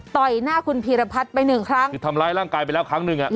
ต่อยหน้าคุณพีรพัฒน์ไปหนึ่งครั้งคือทำร้ายร่างกายไปแล้วครั้งหนึ่งอ่ะ